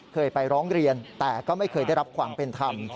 เคยไปร้องเรียนแต่ก็ไม่เคยได้รับความเป็นธรรม